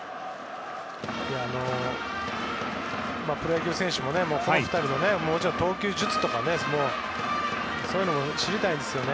プロ野球選手もこの２人の投球術というか知りたいですよね。